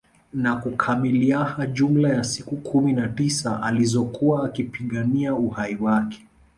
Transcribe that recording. Na kukamiliaha jumla ya siku kumi na tisa alizokuwa akipigania uhai wake